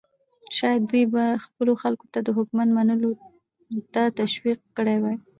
شاید دوی به خپلو خلکو ته د حکومت منلو ته تشویق کړي وای.